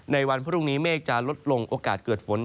ในวันพรุ่งนี้เมฆจะลดลงโอกาสเกิดฝน